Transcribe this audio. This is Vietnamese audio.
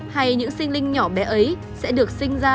hay những sinh linh nhỏ bé ấy sẽ được đưa về hình phạt thích đáng